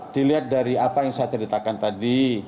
dilihat dari apa yang saya ceritakan tadi